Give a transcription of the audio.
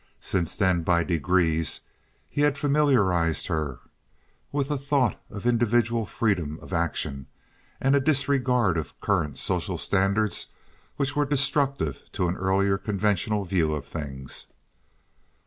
Since then by degrees he had familiarized her with a thought of individual freedom of action and a disregard of current social standards which were destructive to an earlier conventional view of things.